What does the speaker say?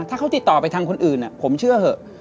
ถ้าเขาติดต่อไปทางคนอื่นผมเชื่อเถอะ